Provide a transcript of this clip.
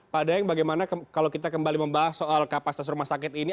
pak daeng bagaimana kalau kita kembali membahas soal kapasitas rumah sakit ini